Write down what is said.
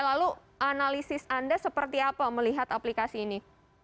lalu analisis anda seperti apa melihat aplikasi ini